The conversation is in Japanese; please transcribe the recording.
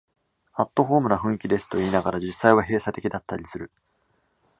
アットホームな雰囲気ですと言いながら、実際は閉鎖的だったりする